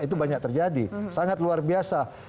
itu banyak terjadi sangat luar biasa